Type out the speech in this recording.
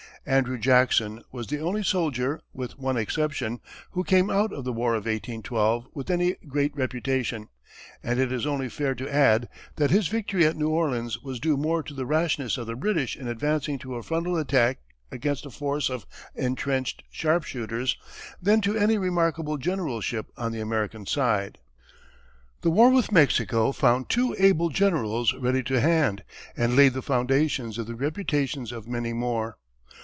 Andrew Jackson was the only soldier, with one exception, who came out of the War of 1812 with any great reputation, and it is only fair to add that his victory at New Orleans was due more to the rashness of the British in advancing to a frontal attack against a force of entrenched sharpshooters than to any remarkable generalship on the American side. The war with Mexico found two able generals ready to hand, and laid the foundations of the reputations of many more.